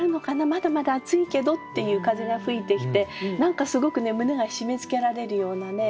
まだまだ暑いけどっていう風が吹いてきて何かすごくね胸が締めつけられるようなね